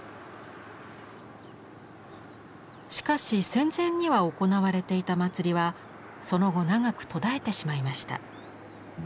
しかし戦前には行われていた祭りはその後長く途絶えてしまいました。